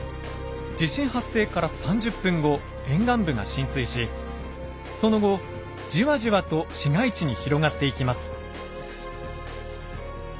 地震発生から３０分後沿岸部が浸水しその後じわじわと市街地に広がっていきます。